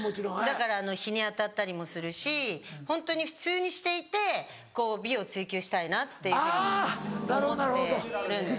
だから日に当たったりもするしホントに普通にしていて美を追求したいなっていうふうに思ってるんですね。